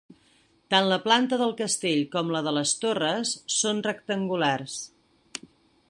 Tant la planta del castell com la de les torres són rectangulars.